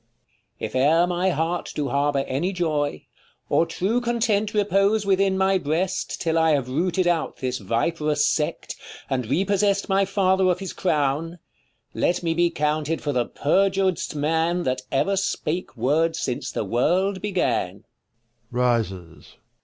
If e'er my heart do harbour any joy, Or true content repose within my breast 2 50 Till I have rooted out this viperous sect, And repossessed my father of his crown, Let me be counted for the perjur'd'st man, That ever spake word since the world began.